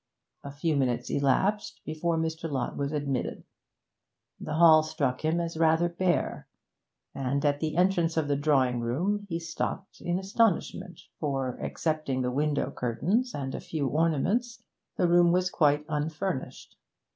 A few minutes elapsed before Mr. Lott was admitted. The hall struck him as rather bare; and at the entrance of the drawing room he stopped in astonishment, for, excepting the window curtains and a few ornaments, the room was quite unfurnished.